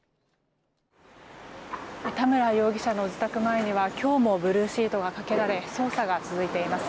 田村容疑者の自宅前には今日もブルーシートがかけられ捜査が続いています。